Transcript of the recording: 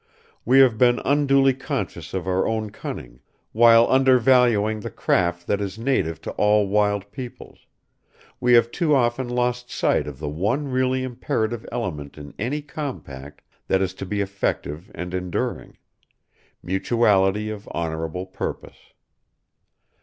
We have been unduly conscious of our own cunning, while undervaluing the craft that is native to all wild peoples; we have too often lost sight of the one really imperative element in any compact that is to be effective and enduring, mutuality of honorable purpose.